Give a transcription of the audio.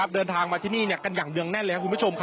เดินทางมาที่นี่กันอย่างเดืองแน่นแล้ว